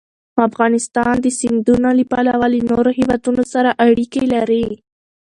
افغانستان د سیندونه له پلوه له نورو هېوادونو سره اړیکې لري.